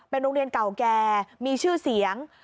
โรงเรียนเก่าแก่มีชื่อเสียง